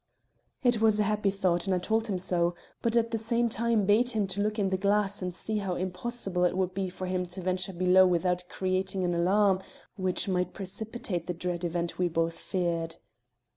It was a happy thought, and I told him so, but at the same time bade him look in the glass and see how impossible it would be for him to venture below without creating an alarm which might precipitate the dread event we both feared.